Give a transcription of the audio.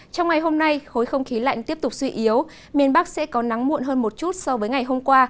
trong ngày hôm nay khối không khí lạnh tiếp tục suy yếu miền bắc sẽ có nắng muộn hơn một chút so với ngày hôm qua